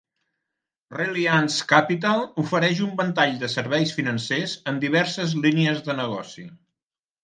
Reliance Capital ofereix un ventall de serveis financers en diverses línies de negoci.